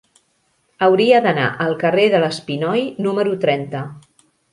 Hauria d'anar al carrer de l'Espinoi número trenta.